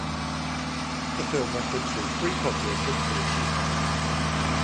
The film references Three Poplars in Plyushcikha.